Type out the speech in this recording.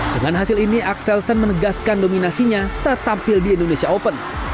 dengan hasil ini axelsen menegaskan dominasinya saat tampil di indonesia open